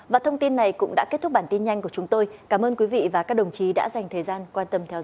và thông tin này cũng đã kết thúc bản tin nhanh của chúng tôi cảm ơn quý vị và các đồng chí đã dành thời gian quan tâm theo dõi